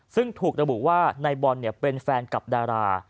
ซึ่งถูกระบุว่าในบอลเนี่ยเป็นแฟนกับดารา